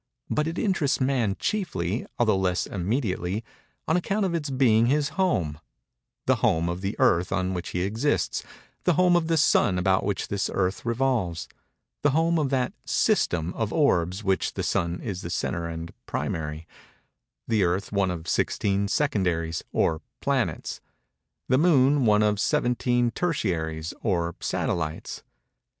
But it interests man chiefly, although less immediately, on account of its being his home; the home of the Earth on which he exists; the home of the Sun about which this Earth revolves; the home of that "system" of orbs of which the Sun is the centre and primary—the Earth one of sixteen secondaries, or planets—the Moon one of seventeen tertiaries, or satellites.